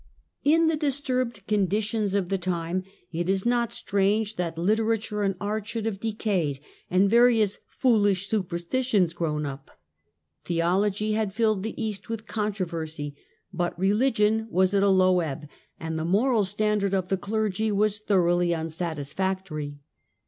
133 134 THE DAWN OF MEDIEVAL EUROPE In the disturbed conditions of the time it is not strange that literature and art should have decayed and various foolish superstitions grown up. Theology had filled the East with controversy, but religion was at a low ebb, and the moral standard of the clergy was thoroughly unsatisfactory.